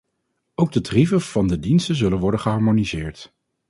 Ook de tarieven van de diensten zullen worden geharmoniseerd.